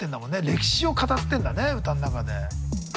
歴史を語ってんだね歌の中で。